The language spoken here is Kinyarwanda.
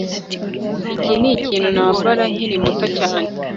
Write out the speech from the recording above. iki nikintu nambara nkiri muto cyane